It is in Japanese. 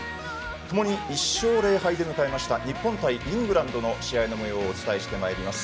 ともに１勝０敗で迎えました日本対イングランドの試合のもようをお伝えしてまいります。